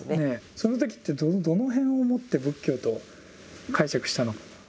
その時ってどの辺をもって仏教と解釈したのか？